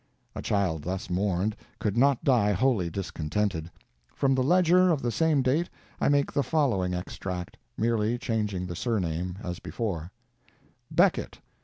A child thus mourned could not die wholly discontented. From the _Ledger _of the same date I make the following extract, merely changing the surname, as before: Becket.